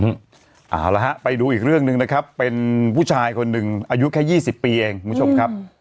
เอาละฮะไปดูอีกเรื่องหนึ่งนะครับเป็นผู้ชายคนหนึ่งอายุแค่๒๐ปีเองคุณผู้ชมครับ